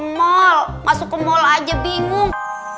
mal masuk ke mal aja bingung